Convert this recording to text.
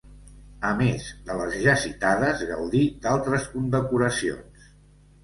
A més de les ja citades, gaudí d'altres condecoracions.